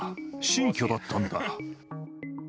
新居だったんだ。